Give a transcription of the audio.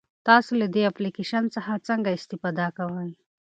تاسو له دې اپلیکیشن څخه څنګه استفاده کوئ؟